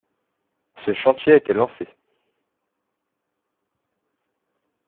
Ce chantier a été lancé.